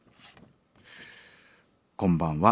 「こんばんは。